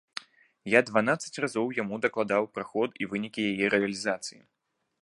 Я дванаццаць разоў яму дакладаў пра ход і вынікі яе рэалізацыі.